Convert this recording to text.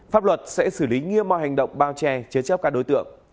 pháp luật sẽ xử lý nghiêm mọi hành động bao che chế chấp các đối tượng